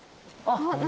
何？